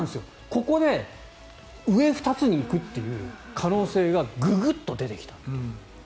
ここで、上２つに行くという可能性がググッと出てきた。